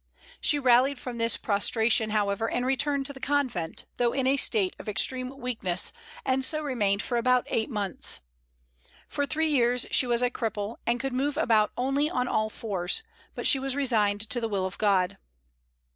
She rallied from this prostration, however, and returned to the convent, though in a state of extreme weakness, and so remained for eight months. For three years she was a cripple, and could move about only on all fours; but she was resigned to the will of God.